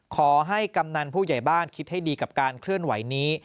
กำนันผู้ใหญ่บ้านคิดให้ดีกับการเคลื่อนไหวนี้